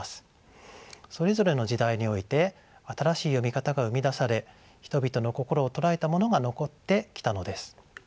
それぞれの時代において新しい読み方が生み出され人々の心を捉えたものが残ってきたのです。